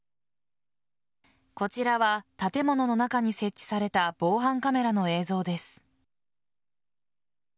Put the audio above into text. こちらは建物の中に設置された防犯カメラの映像です。